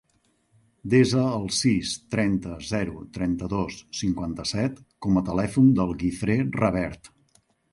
Desa el sis, trenta, zero, trenta-dos, cinquanta-set com a telèfon del Guifré Revert.